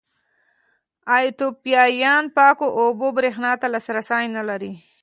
ایتوپیایان پاکو اوبو برېښنا ته لاسرسی نه لري.